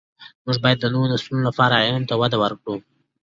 موږ باید د نوو نسلونو لپاره علم ته وده ورکړو.